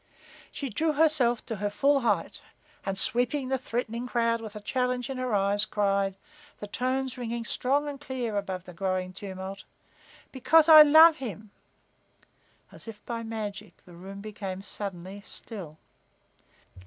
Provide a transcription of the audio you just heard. She drew herself to her full height, and, sweeping the threatening crowd with a challenge in her eyes, cried, the tones ringing strong and clear above the growing tumult: "Because I love him!" As if by magic the room became suddenly still.